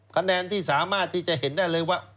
คะแนนที่สามารถที่จะเห็นได้เลยว่า